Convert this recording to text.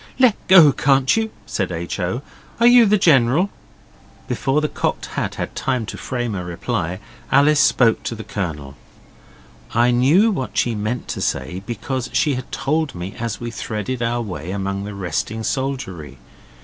'Let go, can't you,' said H. O. 'Are you the General?' Before the Cocked Hat had time to frame a reply, Alice spoke to the Colonel. I knew what she meant to say, because she had told me as we threaded our way among the resting soldiery.